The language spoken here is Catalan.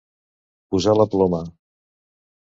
Posar la ploma.